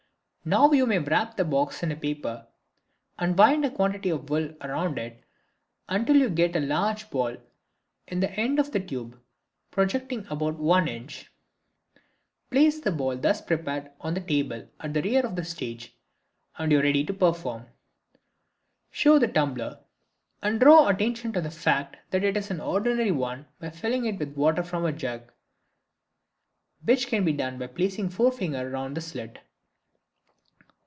You now wrap the box in paper and wind a quantity of wool round it until you get a large ball with the end of the tube projecting about 1 in. Place the ball thus prepared on a table at the rear of the stage and you are ready to perform. Show the tumbler, and draw attention to the fact that it is an ordinary one by filling it with water from a jug, which can be done by placing the forefinger round the slit.